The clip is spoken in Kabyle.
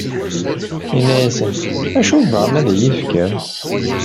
Inna-asen: D acu i tebɣam ad yi-t-tefkem?